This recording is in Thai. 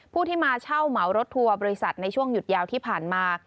ผู้ที่มาเช่าเหมารถทัวร์บริษัทในช่วงหยุดยาวที่ผ่านมา